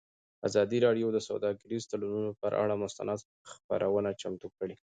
ازادي راډیو د سوداګریز تړونونه پر اړه مستند خپرونه چمتو کړې.